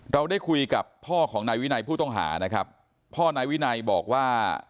เราได้คุยกับพ่อของนายวินัยผู้ต้องหานะครับพ่อนายวินัยบอกว่า